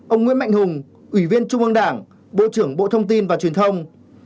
một mươi ba ông nguyễn mạnh hùng ủy viên trung ương đảng bộ trưởng bộ thông tin và truyền thông